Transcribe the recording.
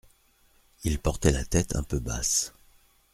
Il portait la tête un peu basse.